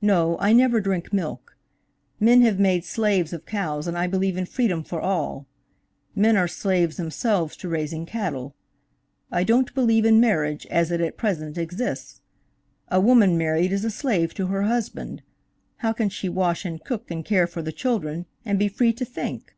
No, I never drink milk; men have made slaves of cows and I believe in freedom for all; men are slaves themselves to raising cattle. I don't believe in marriage as it at present exists. A woman married is a slave to her husband. How can she wash and cook and care for the children and be free to think?